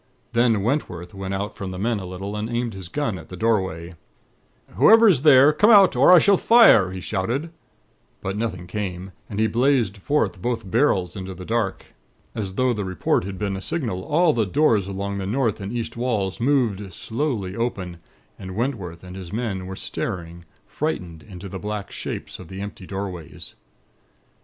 "Then Wentworth went out from the men a little, and aimed his gun at the doorway. "'Whoever is there, come out, or I shall fire,' he shouted; but nothing came, and he blazed forth both barrels into the dark. As though the report had been a signal, all the doors along the north and east walls moved slowly open, and Wentworth and his men were staring, frightened into the black shapes of the empty doorways.